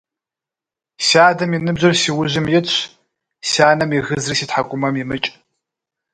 Си адэм и ныбжьыр си ужьым итщ, си анэм и гызри си тхьэкӏумэм имыкӏ.